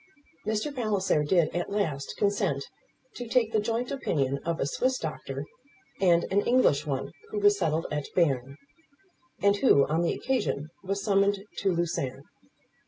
Mr. Palliser did at last consent to take the joint opinion of a Swiss doctor and an English one who was settled at Berne; and who, on the occasion, was summoned to Lucerne.